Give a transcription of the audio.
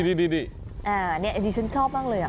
นี่นี่นี่ชั้นชอบบ้างเลย